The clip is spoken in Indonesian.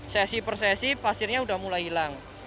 sesi persesi pasirnya sudah mulai hilang